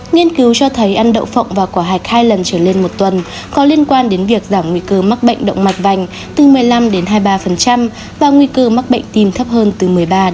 nghiên cứu cho thấy ăn đậu phộng và quả hạch hai lần trở lên một tuần có liên quan đến việc giảm nguy cơ mắc bệnh động mạch vành từ một mươi năm đến hai mươi ba và nguy cơ mắc bệnh tim thấp hơn từ một mươi ba một mươi